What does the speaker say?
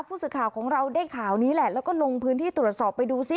ผู้สื่อข่าวของเราได้ข่าวนี้แหละแล้วก็ลงพื้นที่ตรวจสอบไปดูซิ